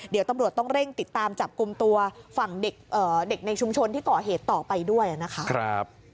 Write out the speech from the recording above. เดี๋ยวตำรวจต้องเร่งติดตามจับกลุ่มตัวฝั่งเด็กในชุมชนที่ก่อเหตุต่อไปด้วยนะคะ